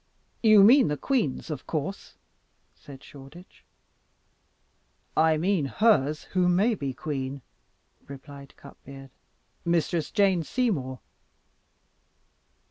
"You mean the queen's, of course?" said Shoreditch. "I mean hers who may be queen," replied Cutbeard; "Mistress Jane Seymour."